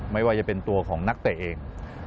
ไม่ว่าจะเป็นตัวของนักเตะเอง